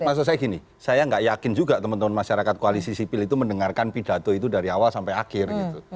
maksud saya gini saya nggak yakin juga teman teman masyarakat koalisi sipil itu mendengarkan pidato itu dari awal sampai akhir gitu